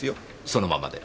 そのままで。